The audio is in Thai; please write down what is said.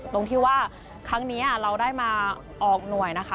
ตรงที่ว่าครั้งนี้เราได้มาออกหน่วยนะคะ